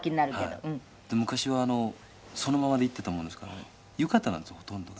谷村：昔は、そのままで行ってたもんですからね浴衣なんですよ、ほとんどが。